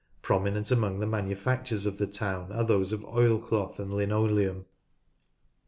Prominent among the manufactures of the town are those of oilcloth and linoleum, (pp.